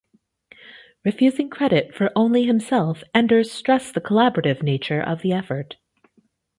Refusing credit for only himself, Enders stressed the collaborative nature of the effort.